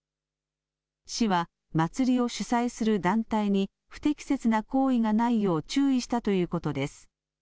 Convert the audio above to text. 市は祭りを主催する団体に不適切な行為がないよう注意したということです。